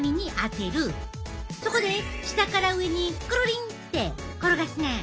そこで下から上にクルリンって転がすねん。